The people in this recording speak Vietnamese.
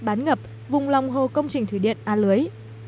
bán ngập vùng lòng hồ công trình thủy điện a lưới